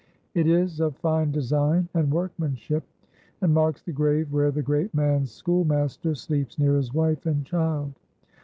It is of fine design and workmanship, and marks the grave where the great man's schoolmaster sleeps near his wife and child.